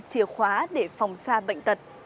chìa khóa để phòng sa bệnh tật